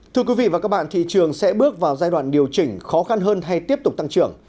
thưa quý vị và các bạn thị trường sẽ bước vào giai đoạn điều chỉnh khó khăn hơn hay tiếp tục tăng trưởng